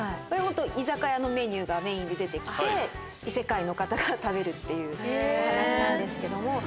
これホント居酒屋のメニューがメインで出て来て異世界の方が食べるっていうお話なんですけども。